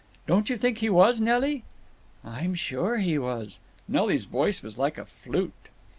Don't you think he was, Nelly?" "I'm sure he was." Nelly's voice was like a flute.